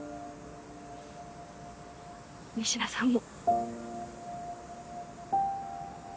仁科さんも。